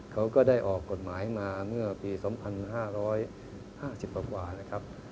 เขาก็ได้ออกกฎหมายมาเมื่อปี๒๕๕๐กว่านะครับ